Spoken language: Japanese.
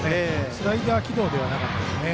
スライダー軌道ではなかったです。